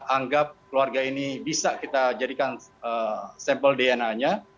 anggap keluarga ini bisa kita jadikan sampel dna nya